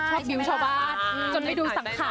กับเพลงที่มีชื่อว่ากี่รอบก็ได้